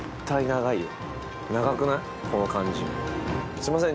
すいません。